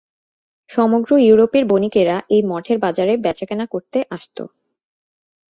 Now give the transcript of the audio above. সমগ্র ইউরোপের বণিকেরা এই মঠের বাজারে বেচা-কেনা করতে আসত।